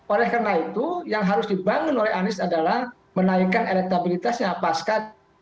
oleh karena itu yang harus dibangun oleh anies adalah menaikkan elektabilitasnya pasca